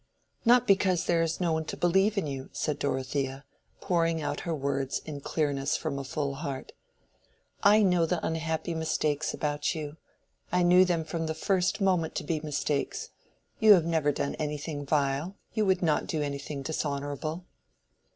"Not because there is no one to believe in you?" said Dorothea, pouring out her words in clearness from a full heart. "I know the unhappy mistakes about you. I knew them from the first moment to be mistakes. You have never done anything vile. You would not do anything dishonorable."